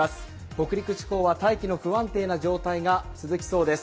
北陸地方は大気の不安定な状態が続きそうです